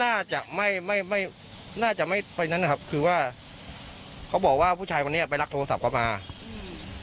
น่าจะไม่ไม่ไม่น่าจะไม่ไปนั้นนะครับคือว่าเขาบอกว่าผู้ชายคนนี้ไปรับโทรศัพท์เขามาอืม